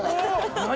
何？